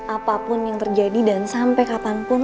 apapun yang terjadi dan sampai kapanpun